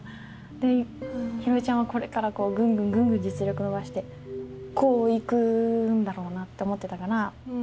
で弘恵ちゃんはこれからぐんぐん実力伸ばしてこう行くんだろうなって思ってたから。